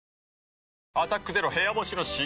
新「アタックＺＥＲＯ部屋干し」解禁‼